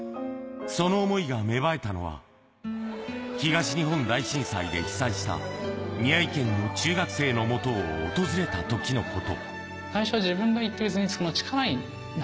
その想いが芽生えたのは東日本大震災で被災した宮城県の中学生の元を訪れたときのこと。